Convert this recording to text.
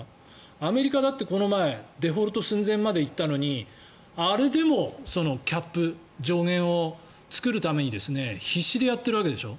アメリカだってこの前デフォルト寸前まで行ったのにあれでもキャップ、上限を作るために必死でやっているわけでしょ。